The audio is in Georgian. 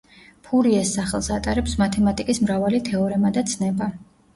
ფურიეს სახელს ატარებს მათემატიკის მრავალი თეორემა და ცნება.